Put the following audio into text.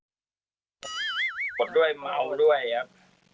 ผมด้วยเมาด้วยครับ